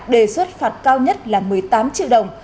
đề xuất phạt cao nhất là một mươi tám triệu đồng